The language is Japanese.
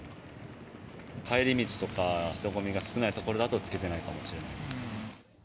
帰り道とか、人混みが少ない所だと着けてないかもしれないです。